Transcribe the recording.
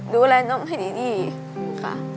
ดูแลน้องให้ดีค่ะ